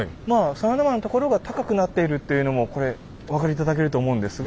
真田丸のところが高くなっているというのもこれお分かり頂けると思うんですが。